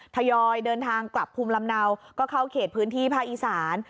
ทยอยเดินทางกลับภูมิลำเนาก็เข้าเขตพื้นที่ภาคอีสาน